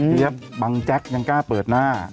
บังแจ๊กยังกล้าเปิดหน้า